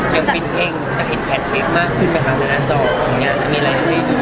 ยังปินเพลงจะเห็นแผ่นเพลงมากขึ้นไปแล้วนะจะออกของยังไงจะมีอะไรในเพลงอีกไหม